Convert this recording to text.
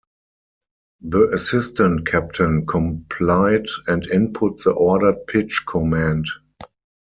The assistant captain complied and input the ordered pitch command.